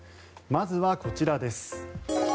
まずはこちらです。